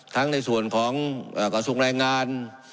ในส่วนของกระทรวงแรงงาน